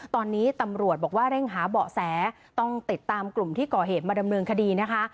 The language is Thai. ตอนนี้ตำรวจบอกว่าเร่งหาเบาะแสต้องติดตามกลุ่มที่ก่อเหตุมาดำเนินคดีนะคะ